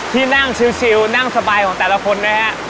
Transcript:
ที่นั่งชิลล์ชิลล์นั่งสบายของแต่ละคนนะครับ